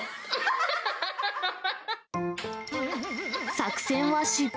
作戦は失敗。